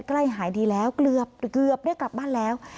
ใกล้หายดีแล้วเกือบได้กลับบ้านแล้ว